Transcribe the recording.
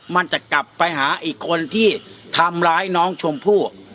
มันจะกลับไปหาอีกคนที่ทำร้ายน้องชมพู่